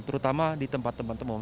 terutama di tempat tempat temu